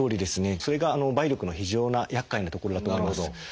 それが梅毒の非常にやっかいなところだと思います。